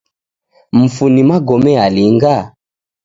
Mfu ni magome alinga?